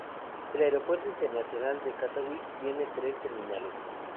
El aeropuerto internacional de Katowice tiene tres terminales.